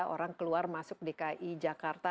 orang keluar masuk dki jakarta